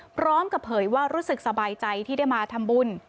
พร้อมกับเผยว่ารู้สึกสบายใจที่ได้มาทำบุญ